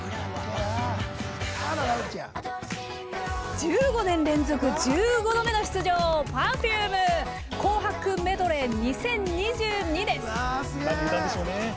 １５年連続１５度目の出場Ｐｅｒｆｕｍｅは「紅白Ｍｅｄｌｅｙ２０２２」です。